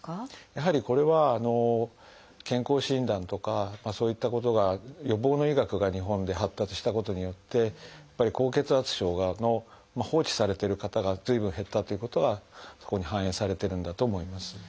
やはりこれは健康診断とかそういったことが予防の医学が日本で発達したことによって高血圧症の放置されてる方が随分減ったということがここに反映されてるんだと思います。